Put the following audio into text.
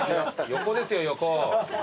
横ですよ横。